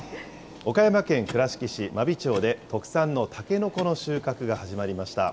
岡山県倉敷市真備町で、特産のたけのこの収穫が始まりました。